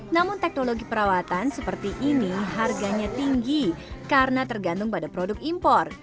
namun teknologi perawatan seperti ini harganya tinggi karena tergantung pada produk impor